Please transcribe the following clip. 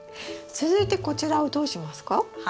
続いてこちらをどうしますか？